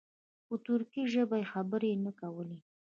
په ترکي ژبه یې خبرې نه کولې.